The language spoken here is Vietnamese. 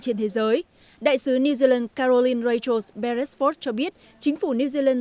trên thế giới đại sứ new zealand caroline rachel beresford cho biết chính phủ new zealand